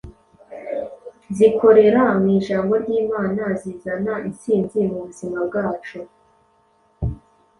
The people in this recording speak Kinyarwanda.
zikorera mw’Ijambo ry’Imana zizana intsinzi mu buzima bwacu.